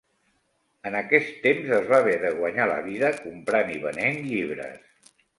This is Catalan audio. En aquest temps es va haver de guanyar la vida comprant i venent llibres.